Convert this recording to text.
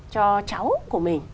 cho cháu của mình